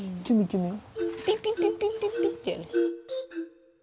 ピッピッピッピッってやる。